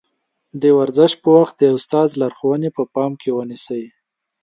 د ورزش پر وخت د استاد لارښوونې په پام کې ونيسئ.